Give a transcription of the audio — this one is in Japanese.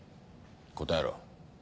答えろ。